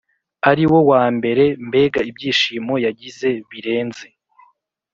ariwo wambere mbega ibyishimo yagize birenze